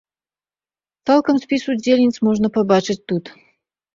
Цалкам спіс удзельніц можна пабачыць тут.